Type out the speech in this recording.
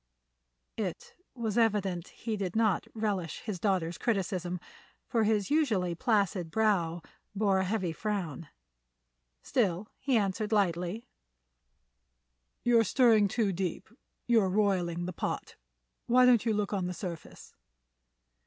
It was evident he did not relish his daughter's criticism, for his usually placid brow bore a heavy frown. Still, he answered lightly: "You're stirring too deep; you're roiling the pot. Why don't you look on the surface?"